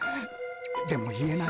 でも言えない。